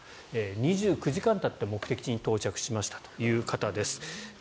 ２９時間たって目的地に到着しましたという方です。